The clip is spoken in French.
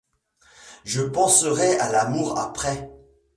Je penserai à l’amour après!